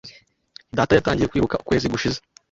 Data yatangiye kwiruka ukwezi gushize.